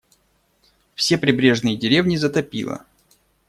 Все прибрежные деревни затопило.